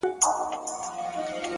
نو د وجود؛